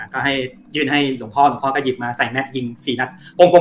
ก็ให้ยื่นให้หลวงพ่อหลวงพ่อก็หยิบมาใส่แม็กซยิง๔นัด